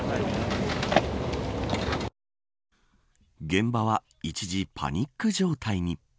現場は一時、パニック状態に。